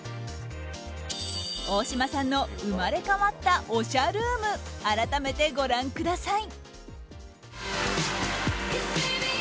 大島さんの生まれ変わったおしゃルーム改めてご覧ください。